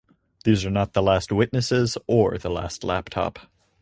These are not the last witnesses or the last laptop.